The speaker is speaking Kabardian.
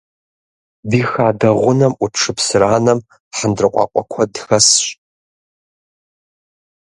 Ди хадэ гъунэм Ӏут шыпсыранэм хьэндыркъуакъуэ куэд хэсщ.